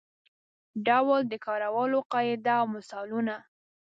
ډول د کارولو قاعده او مثالونه.